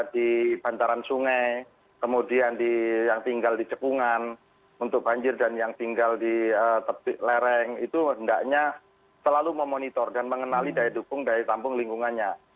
di bantaran sungai kemudian yang tinggal di cekungan untuk banjir dan yang tinggal di tepik lereng itu hendaknya selalu memonitor dan mengenali daya dukung daya tampung lingkungannya